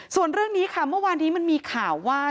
ส่วนเรื่องนี้ค่ะเมื่อวานนี้มันมีข่าวว่า